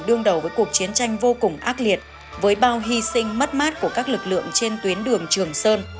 đương đầu với cuộc chiến tranh vô cùng ác liệt với bao hy sinh mất mát của các lực lượng trên tuyến đường trường sơn